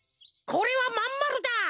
これはまんまるだ！